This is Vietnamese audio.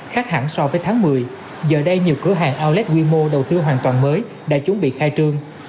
khác hẳn so với tháng một mươi giờ đây nhiều cửa hàng olet quy mô đầu tư hoàn toàn mới đã chuẩn bị khai trương